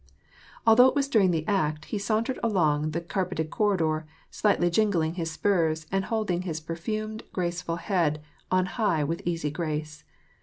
Although it was during the act, he sauntered along the car peted corridor, slightly jingling his spurs, and holding his perfumed, graceful head on high with easy grace.